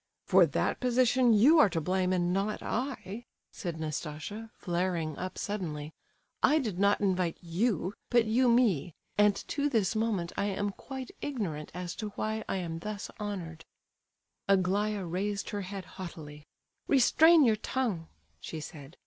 "For that position you are to blame and not I," said Nastasia, flaring up suddenly. "I did not invite you, but you me; and to this moment I am quite ignorant as to why I am thus honoured." Aglaya raised her head haughtily. "Restrain your tongue!" she said.